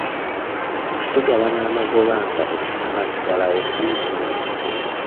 Tugabana amagoba nga tetunnaggalawo bizinensi.